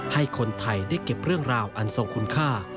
ให้คนไทยได้เก็บเรื่องราวอันทรงคุณค่า